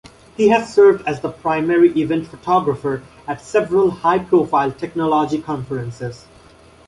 He has served as the primary event photographer at several high-profile technology conferences.